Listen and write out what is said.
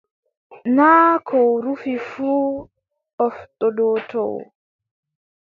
Naa ko rufi fuu ɓoftodottoo.